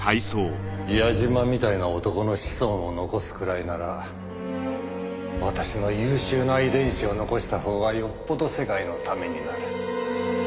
矢嶋みたいな男の子孫を残すくらいなら私の優秀な遺伝子を残した方がよっぽど世界のためになる。